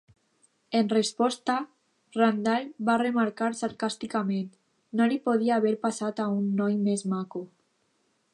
En resposta, Randall va remarcar sarcàsticament: No li podia haver passat a un noi més maco.